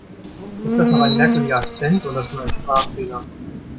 Ist das noch ein merkwürdiger Akzent oder schon ein Sprachfehler?